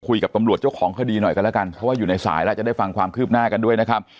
คุยกับตำรวจเจ้าของคดีหน่อยกันแล้วกันเพราะว่าอยู่ในสายแล้วจะได้ฟังความคืบหน้ากันด้วยนะครับ